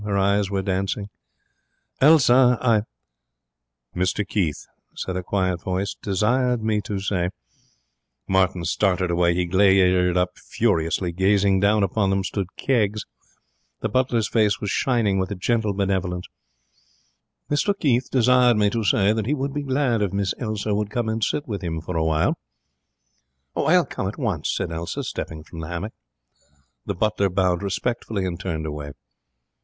Her eyes were dancing. 'Elsa, I ' 'Mr Keith,' said a quiet voice, 'desired me to say ' Martin started away. He glared up furiously. Gazing down upon them stood Keggs. The butler's face was shining with a gentle benevolence. 'Mr Keith desired me to say that he would be glad if Miss Elsa would come and sit with him for a while.' 'I'll come at once,' said Elsa, stepping from the hammock. The butler bowed respectfully and turned away.